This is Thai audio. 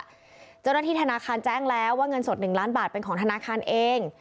เจ้าหน้าที่ธนาคารแจ้งแล้วว่าเงินสด๑ล้านบาทเป็นของธนาคารเอง